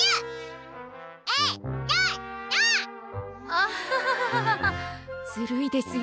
アハハハずるいですよ